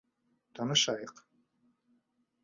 Танышайыҡ.